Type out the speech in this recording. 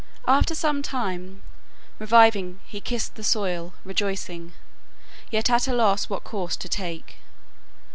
After some time, reviving, he kissed the soil, rejoicing, yet at a loss what course to take.